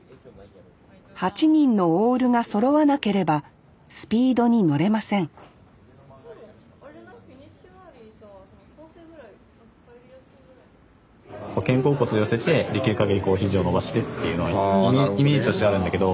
８人のオールがそろわなければスピードに乗れません肩甲骨寄せてできるかぎり肘を伸ばしてっていうのはイメージとしてはあるんだけど。